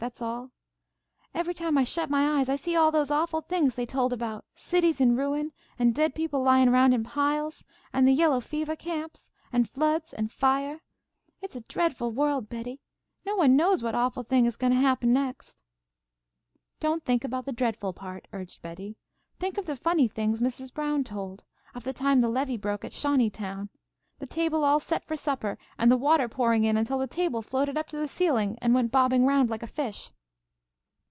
That's all. Every time I shut my eyes I see all those awful things they told about: cities in ruins, and dead people lying around in piles, and the yellow fevah camps, and floods and fiah. It is a dreadful world, Betty. No one knows what awful thing is goin' to happen next." "Don't think about the dreadful part," urged Betty. "Think of the funny things Mrs. Brown told, of the time the levee broke at Shawneetown. The table all set for supper, and the water pouring in until the table floated up to the ceiling, and went bobbing around like a fish."